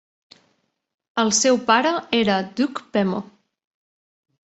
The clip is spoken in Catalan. El seu pare era Duke Pemmo.